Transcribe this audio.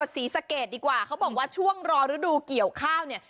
ศรีสะเกดดีกว่าเขาบอกว่าช่วงรอฤดูเกี่ยวข้าวเนี่ย